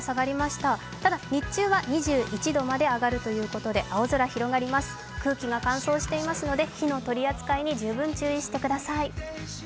ただ日中は２１度まで上がるということで青空広がります、空気が乾燥していますので、火の取り扱いに十分注意してください。